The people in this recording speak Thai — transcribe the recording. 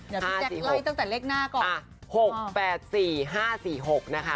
เดี๋ยวพี่แจ๊คไล่ตั้งแต่เลขหน้าก่อน